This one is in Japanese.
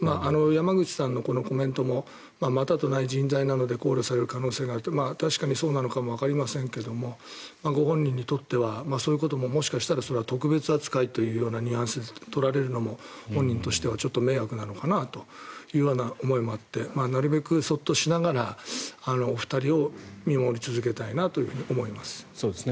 山口さんのコメントもまたとない人材なので考慮される可能性があると確かにそうなのかもわかりませんがご本人にとってはそういうことも特別扱いというニュアンスで取られるのも本人としてはちょっと迷惑なのかなって思いもあってなるべくそっとしながらお二人を見守り続けたいと思います。